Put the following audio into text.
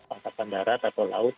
pangkatan darat atau laut